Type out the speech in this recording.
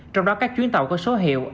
trong đó các chuyến tàu có số hiệu